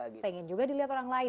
pengen juga dilihat orang lain